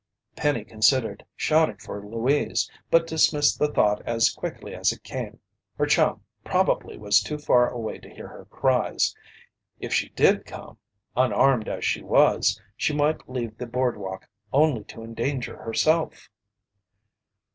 Penny considered shouting for Louise, but dismissed the thought as quickly as it came. Her chum probably was too far away to hear her cries. If she did come, unarmed as she was, she might leave the boardwalk only to endanger herself.